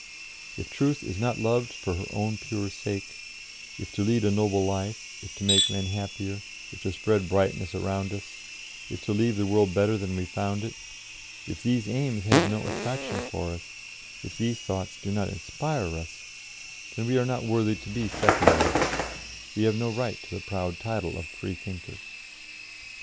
If Truth is not loved for her own pure sake, if to lead a noble life, if to make men happier, if to spread brightness around us, if to leave the world better than we found it if these aims have no attraction for us, if these thoughts do not inspire us, then we are not worthy to be Secularists, we have no right to the proud title of Freethinkers.